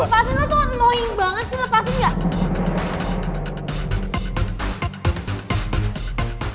lepasin lu tuh annoying banget sih lepasin gak